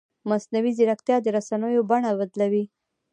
مصنوعي ځیرکتیا د رسنیو بڼه بدلوي.